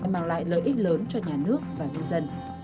mang lại lợi ích lớn cho nhà nước và nhân dân